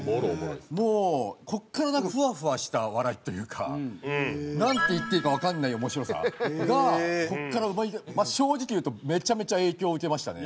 もうここからなんかフワフワした笑いというかなんて言っていいかわからない面白さがここからまあ正直言うとめちゃめちゃ影響を受けましたね。